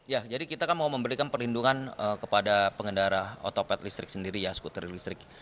ya jadi kita kan mau memberikan perlindungan kepada pengendara otopet listrik sendiri ya skuter listrik